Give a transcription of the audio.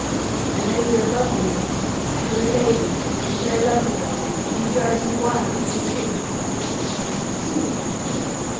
"I know you're above me, Miss Sarah. You're a lady, but I love yer, I do, and you drives me wild with yer tricks." "Do I?"